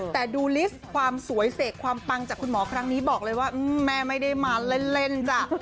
แต่ดูลิสต์ความสวยเสกความปังจากคุณหมอครั้งนี้บอกเลยว่าแม่ไม่ได้มาเล่นจ้ะ